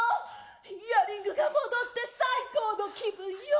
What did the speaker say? イヤリングが戻って最高の気分よ！